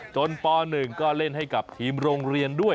ป๑ก็เล่นให้กับทีมโรงเรียนด้วย